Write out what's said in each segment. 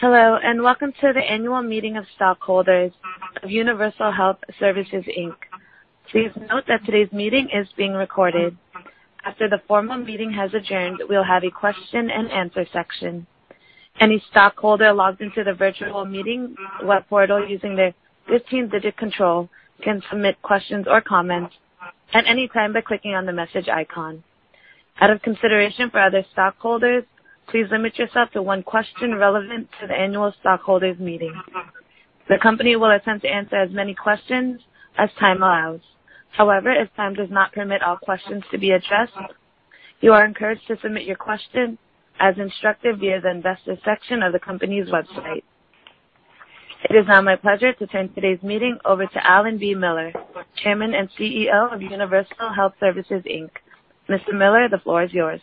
Hello, welcome to the annual meeting of stockholders of Universal Health Services, Inc. Please note that today's meeting is being recorded. After the formal meeting has adjourned, we'll have a question and answer section. Any stockholder logged into the virtual meeting web portal using their 15-digit control can submit questions or comments at any time by clicking on the message icon. Out of consideration for other stockholders, please limit yourself to one question relevant to the annual stockholders meeting. The company will attempt to answer as many questions as time allows. If time does not permit all questions to be addressed, you are encouraged to submit your question as instructed via the investor section of the company's website. It is now my pleasure to turn today's meeting over to Alan B. Miller, Chairman and CEO of Universal Health Services, Inc. Mr. Miller, the floor is yours.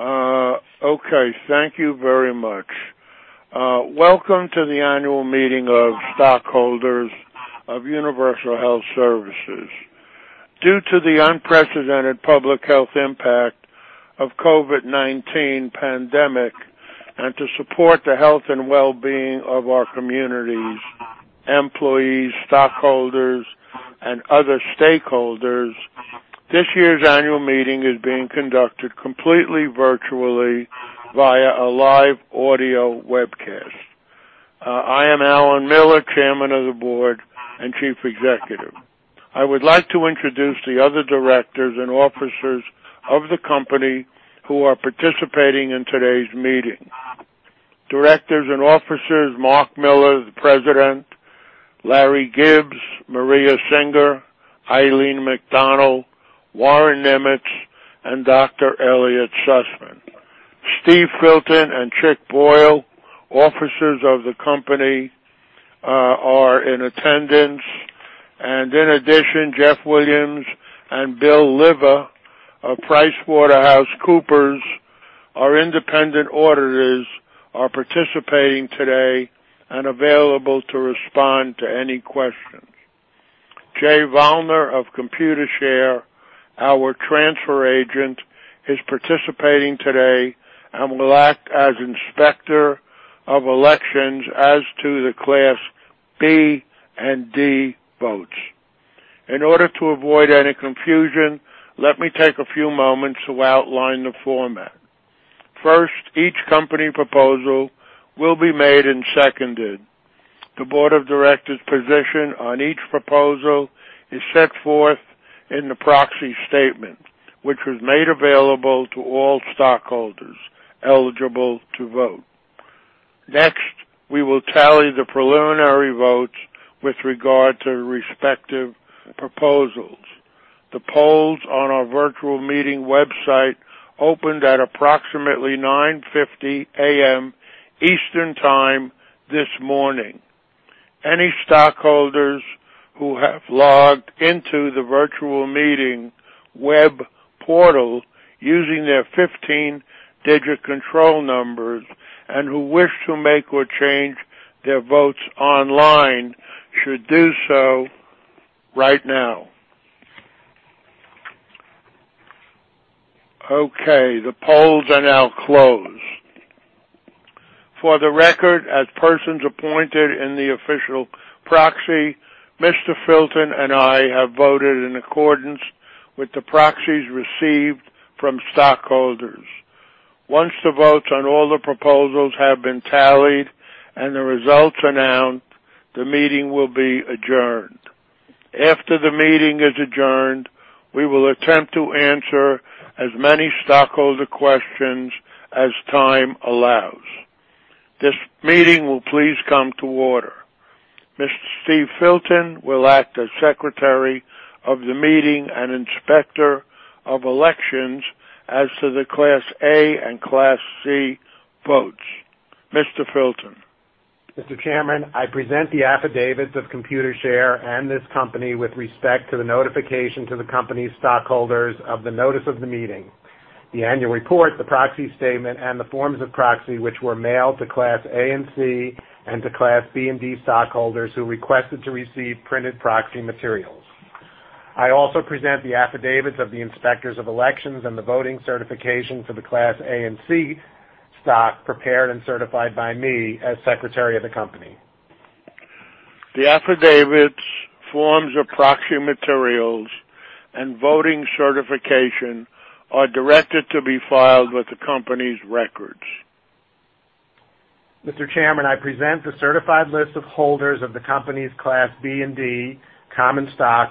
Okay. Thank you very much. Welcome to the annual meeting of stockholders of Universal Health Services. Due to the unprecedented public health impact of COVID-19 pandemic, and to support the health and wellbeing of our communities, employees, stockholders, and other stakeholders, this year's annual meeting is being conducted completely virtually via a live audio webcast. I am Alan Miller, Chairman of the Board and Chief Executive. I would like to introduce the other directors and officers of the company who are participating in today's meeting. Directors and officers Marc Miller, the President, Larry Gibbs, Maria Singer, Eileen McDonnell, Warren Nimetz, and Dr. Elliot Sussman. Steve Filton and Chick Boyle, officers of the company, are in attendance. In addition, Jeff Williams and Bill Liva of PricewaterhouseCoopers, our independent auditors, are participating today and available to respond to any questions. Jay Vollmer of Computershare, our transfer agent, is participating today and will act as Inspector of Elections as to the Class B and D votes. In order to avoid any confusion, let me take a few moments to outline the format. First, each company proposal will be made and seconded. The Board of Directors' position on each proposal is set forth in the proxy statement, which was made available to all stockholders eligible to vote. Next, we will tally the preliminary votes with regard to respective proposals. The polls on our virtual meeting website opened at approximately 9:50 A.M. Eastern Time this morning. Any stockholders who have logged into the virtual meeting web portal using their 15-digit control numbers and who wish to make or change their votes online should do so right now. Okay, the polls are now closed. For the record, as persons appointed in the official proxy, Mr. Filton and I have voted in accordance with the proxies received from stockholders. Once the votes on all the proposals have been tallied and the results announced, the meeting will be adjourned. After the meeting is adjourned, we will attempt to answer as many stockholder questions as time allows. This meeting will please come to order. Mr. Steve Filton will act as Secretary of the meeting and Inspector of Elections as to the Class A and Class C votes. Mr. Filton. Mr. Chairman, I present the affidavits of Computershare and this company with respect to the notification to the company's stockholders of the notice of the meeting. The annual report, the proxy statement, and the forms of proxy, which were mailed to Class A and C and to Class B and D stockholders who requested to receive printed proxy materials. I also present the affidavits of the Inspectors of Elections and the voting certification for the Class A and C stock prepared and certified by me as Secretary of the company. The affidavits, forms of proxy materials, and voting certification are directed to be filed with the company's records. Mr. Chairman, I present the certified list of holders of the company's Class B and D common stock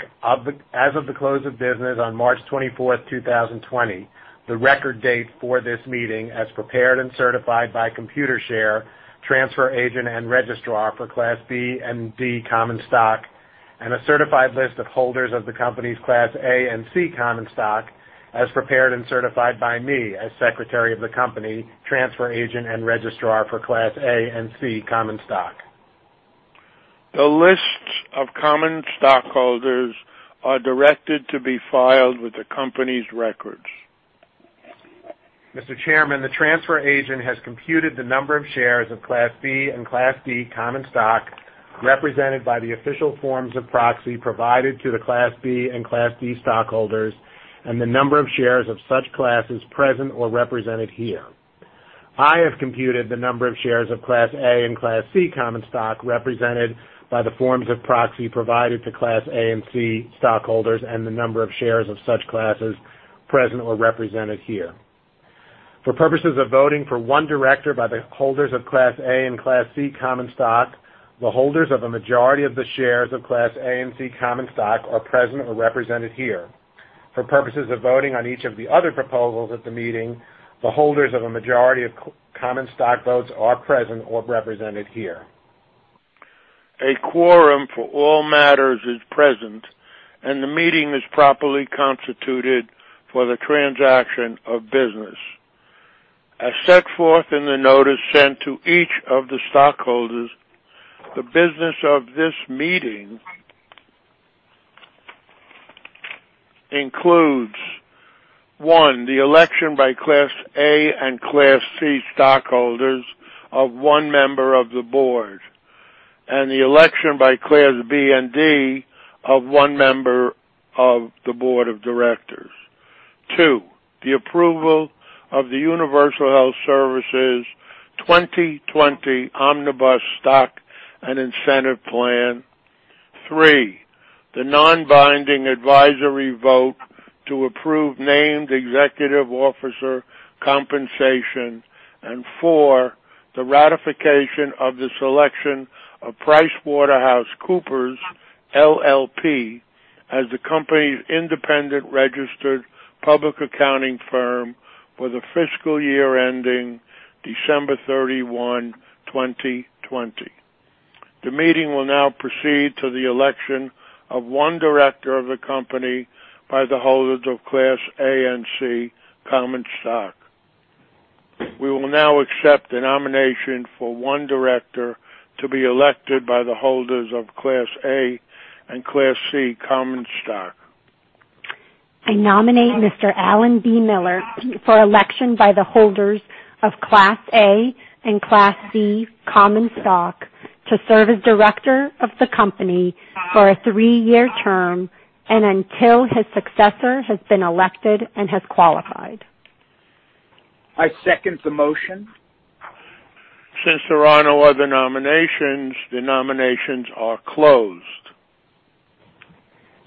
as of the close of business on March 24th, 2020, the record date for this meeting, as prepared and certified by Computershare, transfer agent and registrar for Class B and D common stock, and a certified list of holders of the company's Class A and C common stock as prepared and certified by me as Secretary of the company, transfer agent, and registrar for Class A and C common stock. The lists of common stockholders are directed to be filed with the company's records. Mr. Chairman, the transfer agent has computed the number of shares of Class B and Class D common stock represented by the official forms of proxy provided to the Class B and Class D stockholders and the number of shares of such classes present or represented here. I have computed the number of shares of Class A and Class C common stock represented by the forms of proxy provided to Class A and Class C stockholders and the number of shares of such classes present or represented here. For purposes of voting for one director by the holders of Class A and Class C common stock, the holders of a majority of the shares of Class A and Class C common stock are present or represented here. For purposes of voting on each of the other proposals at the meeting, the holders of a majority of common stock votes are present or represented here. A quorum for all matters is present, and the meeting is properly constituted for the transaction of business. As set forth in the notice sent to each of the stockholders, the business of this meeting includes, one, the election by Class A and Class C stockholders of one member of the board, and the election by Class B and Class D of one member of the board of directors. Two, the approval of the Universal Health Services 2020 Omnibus Stock and Incentive Plan. Three, the non-binding advisory vote to approve named executive officer compensation, and four, the ratification of the selection of PricewaterhouseCoopers LLP as the company's independent registered public accounting firm for the fiscal year ending December 31, 2020. The meeting will now proceed to the election of one director of the company by the holders of Class A and Class C common stock. We will now accept the nomination for one director to be elected by the holders of Class A and Class C common stock. I nominate Mr. Alan B. Miller for election by the holders of Class A and Class C common stock to serve as director of the company for a three-year term and until his successor has been elected and has qualified. I second the motion. Since there are no other nominations, the nominations are closed.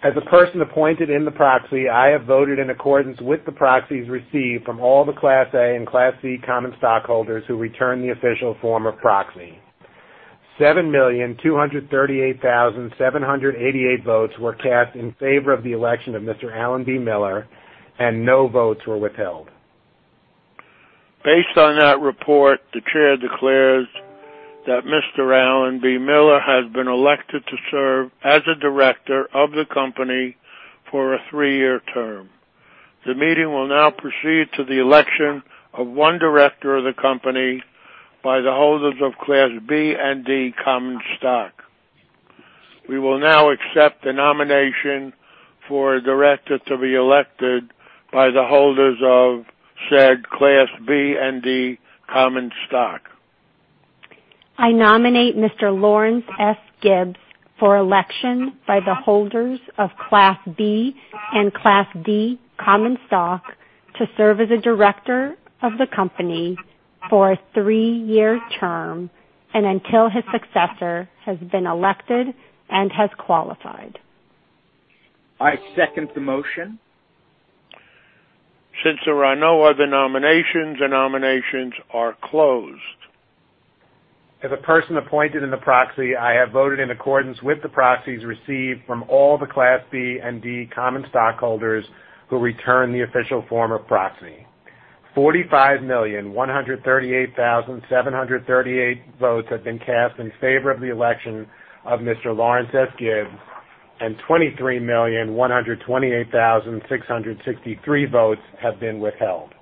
As a person appointed in the proxy, I have voted in accordance with the proxies received from all the Class A and Class C common stockholders who returned the official form of proxy. 7,238,788 votes were cast in favor of the election of Mr. Alan B. Miller, and no votes were withheld. Based on that report, the chair declares that Mr. Alan B. Miller has been elected to serve as a director of the company for a three-year term. The meeting will now proceed to the election of one director of the company by the holders of Class B and Class D common stock. We will now accept the nomination for a director to be elected by the holders of said Class B and Class D common stock. I nominate Mr. Lawrence S. Gibbs for election by the holders of Class B and Class D common stock to serve as a director of the company for a three-year term and until his successor has been elected and has qualified. I second the motion. Since there are no other nominations, the nominations are closed. As a person appointed in the proxy, I have voted in accordance with the proxies received from all the Class B and Class D common stockholders who returned the official form of proxy. 45,138,738 votes have been cast in favor of the election of Mr. Lawrence S. Gibbs, and 23,128,663 votes have been withheld.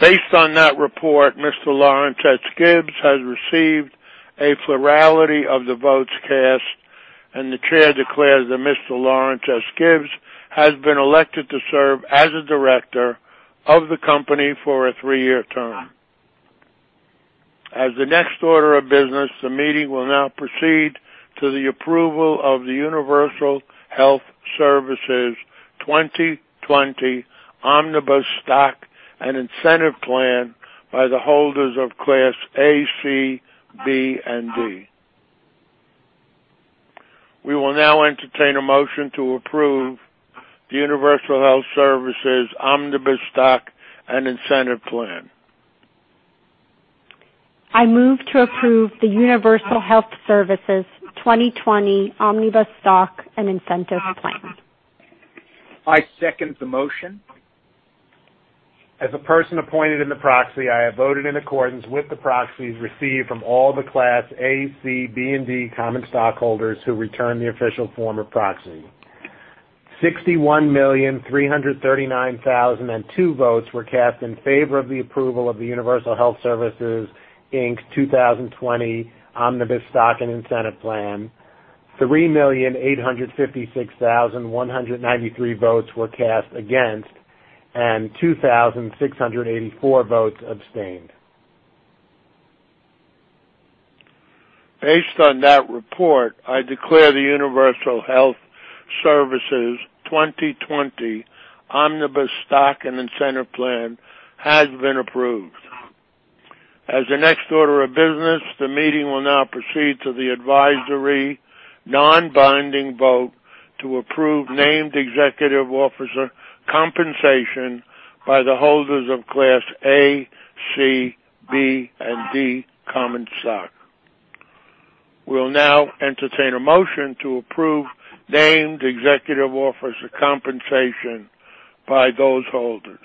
Based on that report, Mr. Lawrence S. Gibbs has received a plurality of the votes cast, and the chair declares that Mr. Lawrence S. Gibbs has been elected to serve as a director of the company for a three-year term. As the next order of business, the meeting will now proceed to the approval of the Universal Health Services 2020 Omnibus Stock and Incentive Plan by the holders of Class A, C, B, and D. We will now entertain a motion to approve the Universal Health Services Omnibus Stock and Incentive Plan. I move to approve the Universal Health Services 2020 Omnibus Stock and Incentive Plan. I second the motion. As a person appointed in the proxy, I have voted in accordance with the proxies received from all the Class A, Class C, Class B, and Class D common stockholders who returned the official form of proxy. 61,339,002 votes were cast in favor of the approval of the Universal Health Services, Inc. 2020 Omnibus Stock and Incentive Plan. 3,856,193 votes were cast against, and 2,684 votes abstained. Based on that report, I declare the Universal Health Services 2020 Omnibus Stock and Incentive Plan has been approved. As the next order of business, the meeting will now proceed to the advisory, non-binding vote to approve named executive officer compensation by the holders of Class A, C, B, and D common stock. We will now entertain a motion to approve named executive officer compensation by those holders.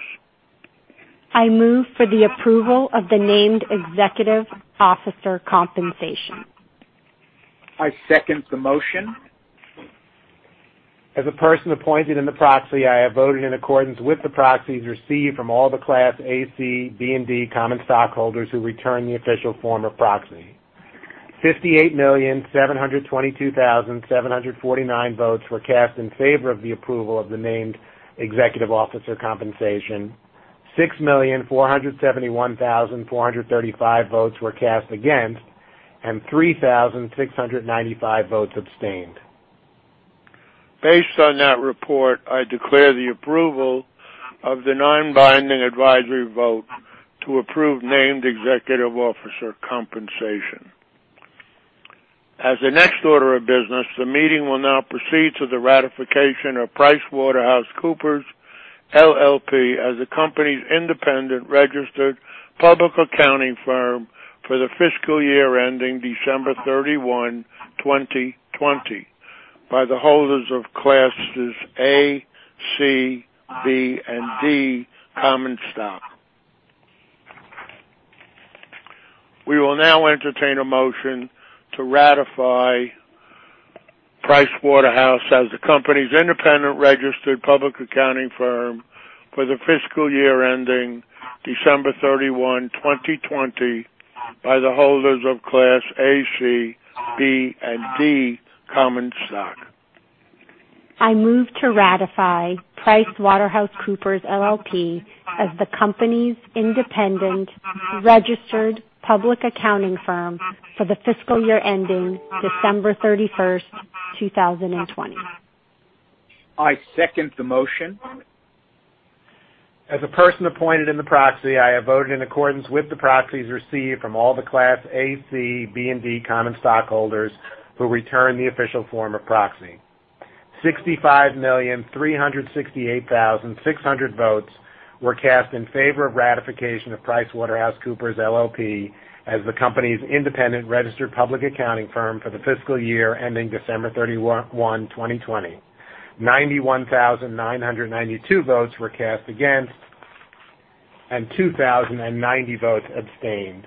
I move for the approval of the named executive officer compensation. I second the motion. As a person appointed in the proxy, I have voted in accordance with the proxies received from all the Class A, C, B, and D common stockholders who returned the official form of proxy. 58,722,749 votes were cast in favor of the approval of the named executive officer compensation, 6,471,435 votes were cast against, and 3,695 votes abstained. Based on that report, I declare the approval of the non-binding advisory vote to approve named executive officer compensation. As the next order of business, the meeting will now proceed to the ratification of PricewaterhouseCoopers LLP as the company's independent registered public accounting firm for the fiscal year ending December 31, 2020 by the holders of Classes A, C, B, and D common stock. We will now entertain a motion to ratify Pricewaterhouse as the company's independent registered public accounting firm for the fiscal year ending December 31, 2020 by the holders of Class A, C, B, and D common stock. I move to ratify PricewaterhouseCoopers LLP as the company's independent registered public accounting firm for the fiscal year ending December 31, 2020. I second the motion. As a person appointed in the proxy, I have voted in accordance with the proxies received from all the Class A, C, B, and D common stockholders who returned the official form of proxy. 65,368,600 votes were cast in favor of ratification of PricewaterhouseCoopers LLP as the company's independent registered public accounting firm for the fiscal year ending December 31, 2020. 91,992 votes were cast against, and 2,090 votes abstained.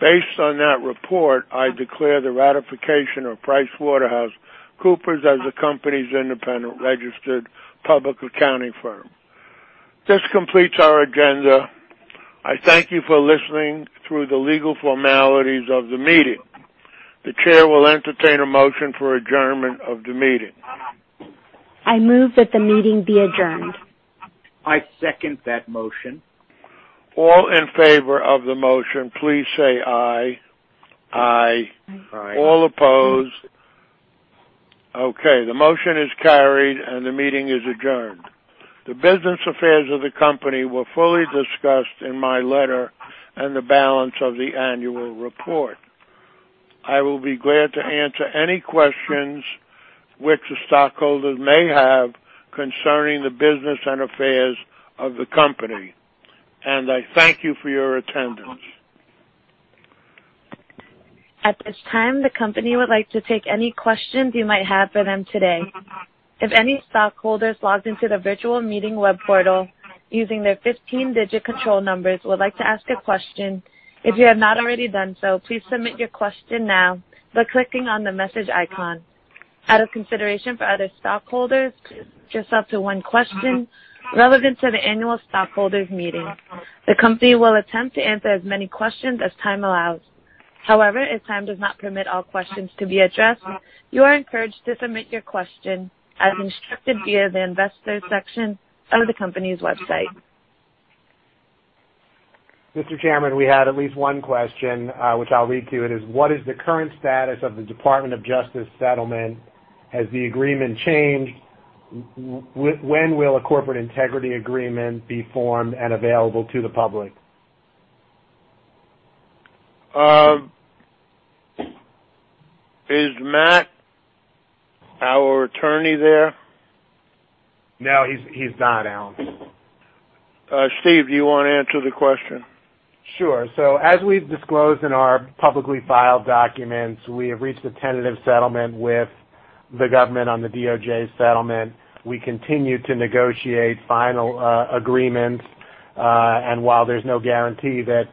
Based on that report, I declare the ratification of PricewaterhouseCoopers as the company's independent registered public accounting firm. This completes our agenda. I thank you for listening through the legal formalities of the meeting. The Chair will entertain a motion for adjournment of the meeting. I move that the meeting be adjourned. I second that motion. All in favor of the motion, please say aye. Aye. Aye. All opposed. Okay, the motion is carried and the meeting is adjourned. The business affairs of the company were fully discussed in my letter and the balance of the annual report. I will be glad to answer any questions which the stockholders may have concerning the business and affairs of the company. I thank you for your attendance. At this time, the company would like to take any questions you might have for them today. If any stockholders logged into the virtual meeting web portal using their 15-digit control numbers would like to ask a question, if you have not already done so, please submit your question now by clicking on the message icon. Out of consideration for other stockholders, please limit yourself to one question relevant to the annual stockholders meeting. The company will attempt to answer as many questions as time allows. However, if time does not permit all questions to be addressed, you are encouraged to submit your question as instructed via the investor section of the company's website. Mr. Chairman, we had at least one question, which I'll read to you. It is, "What is the current status of the Department of Justice settlement? Has the agreement changed? When will a corporate integrity agreement be formed and available to the public? Is Matt, our attorney, there? No, he's not, Alan. Steve, do you want to answer the question? Sure. As we've disclosed in our publicly filed documents, we have reached a tentative settlement with the government on the DOJ settlement. We continue to negotiate final agreements. While there's no guarantee that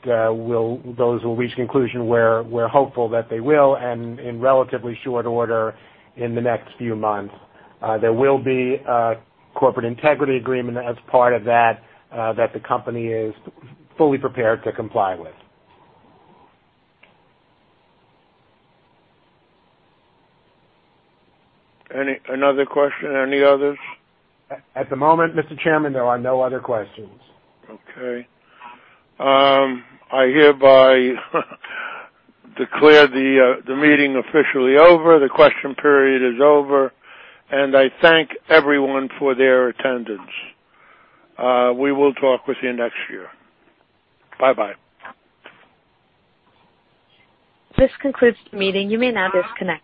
those will reach conclusion, we're hopeful that they will, and in relatively short order in the next few months. There will be a corporate integrity agreement as part of that the company is fully prepared to comply with. Any another question? Any others? At the moment, Mr. Chairman, there are no other questions. Okay. I hereby declare the meeting officially over. The question period is over, and I thank everyone for their attendance. We will talk with you next year. Bye-bye. This concludes the meeting. You may now disconnect.